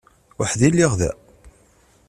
Weḥd-i i lliɣ da?